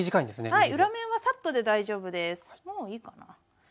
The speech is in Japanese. はい。